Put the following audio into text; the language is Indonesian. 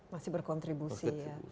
masih berkontribusi ya